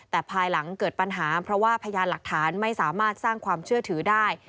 แต่ภายหลังเกิดปัญหาเพราะว่าพยานหลักฐานไม่สามารถสร้างความเชื่อถือได้